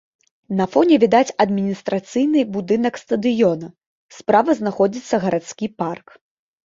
На фоне відаць адміністрацыйны будынак стадыёна, справа знаходзіцца гарадскі парк.